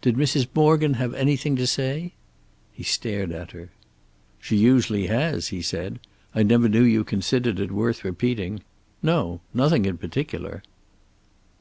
"Did Mrs. Morgan have anything to say?" He stared at her. "She usually has," he said. "I never knew you considered it worth repeating. No. Nothing in particular."